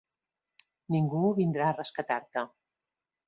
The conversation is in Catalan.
Ningú vindrà a rescatar-te.